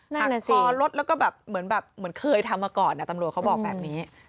หักคลอรถแล้วก็เหมือนเคยทำมาก่อนตำรวจเขาบอกแบบนี้